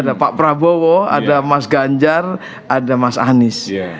ada pak prabowo ada mas ganjar ada mas anies